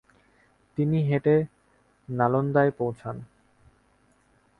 তিনি হেঁটে নালন্দায় পৌঁছান।